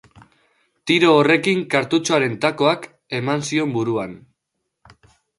Tiro horren kartutxoaren takoak eman zion buruan.